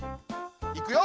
いくよ。